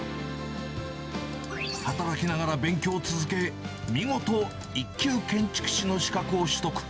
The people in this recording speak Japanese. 働きながら勉強を続け、見事１級建築士の資格を取得。